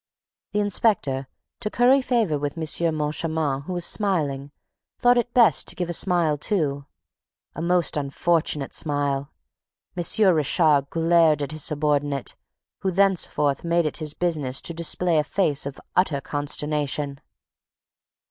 The inspector, to curry favor with M. Moncharmin, who was smiling, thought it best to give a smile too. A most unfortunate smile! M. Richard glared at his subordinate, who thenceforth made it his business to display a face of utter consternation.